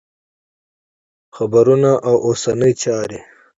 خبرونه او اوسنۍ چارې